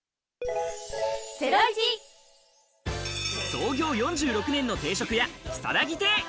創業４６年の定食屋、きさらぎ亭。